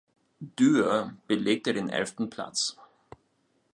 Dürr belegte den elften Platz.